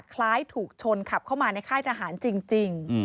คล้ายถูกชนขับเข้ามาในค่ายทหารจริง